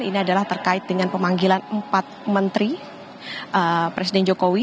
ini adalah terkait dengan pemanggilan empat menteri presiden jokowi